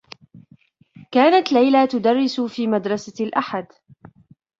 كانت ليلى تدرّس في مدرسة الأحد.